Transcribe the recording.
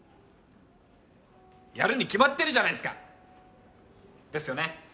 やるに決まってるじゃないっすかですよね？